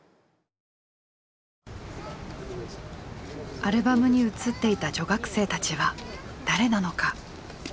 アルバムに写っていた女学生たちは誰なのか。